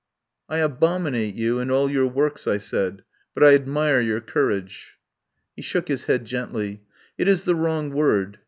"I abominate you and all your works," I said, "but I admire your courage." He shook his head gently. "It is the wrong word.